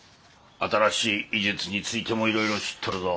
新しい医術についてもいろいろ知っとるぞ。